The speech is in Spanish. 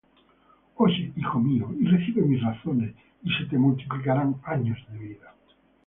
Oye, hijo mío, y recibe mis razones; Y se te multiplicarán años de vida.